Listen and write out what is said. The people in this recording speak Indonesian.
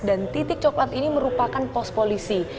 dan titik coklat ini merupakan pos polisi